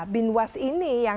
binwas ini yang